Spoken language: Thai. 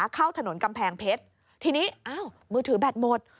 เข้าถนนกำแพงเพชรทีนี้อ้าวมือถือแบตหมด